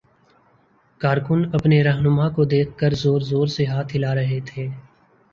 کارکن اپنے راہنما کو دیکھ کر زور زور سے ہاتھ ہلا رہے تھے